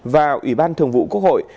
và ủy ban thường vụ quốc hội